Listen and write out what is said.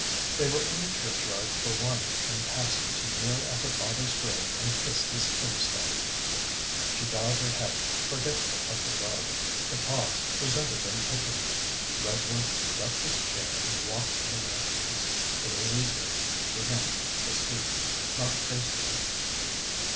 They were in the churchyard for one in passing to kneel at her father's grave and kiss his tombstone.' She bowed her head, forgetful of her guard. The pause presented an opening. Redworth left his chair and walked to the mantelpiece. It was easier to him to speak, not facing her.